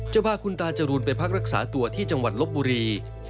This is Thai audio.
จะพาคุณตาจรูนไปพักรักษาตัวที่จังหวัดลบบุรี